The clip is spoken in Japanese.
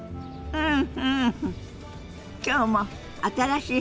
うん！